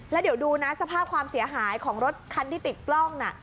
แล้วเดี๋ยวดูนะสภาพความเสียหายของรถคันที่ติดกล้องน่ะ